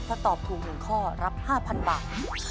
ถ้าตอบถูก๑ข้อรับ๕๐๐บาท